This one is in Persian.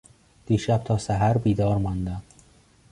دیشب تا سحر بیدار ماندم.